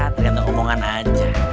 tergantung omongan aja